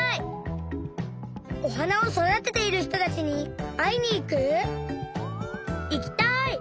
おはなをそだてているひとたちにあいにいく？いきたい！